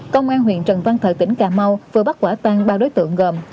công an huyện trần văn thời tỉnh cà mau vừa bắt quả tăng ba đối tượng gồm